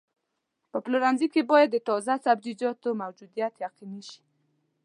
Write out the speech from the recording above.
په پلورنځي کې باید د تازه سبزیجاتو موجودیت یقیني شي.